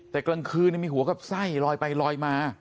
แต่กลางคืนมีหัวกับไส้ลอยไปลอยมา